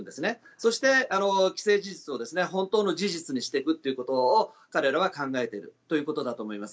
そして既成事実を本当の事実にしていくということを彼らは考えているということだと思います。